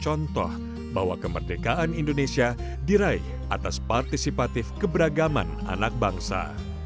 contoh bahwa kemerdekaan indonesia diraih atas partisipatif keberagaman anak bangsa